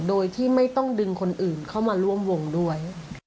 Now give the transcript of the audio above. โดยที่ไม่ต้องดึงคนอื่นเข้ามาร่วมวงด้วย